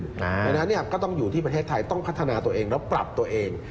ดังนั้นก็ต้องอยู่ที่ประเทศไทยต้องพัฒนาตัวเองแล้วปรับตัวเอง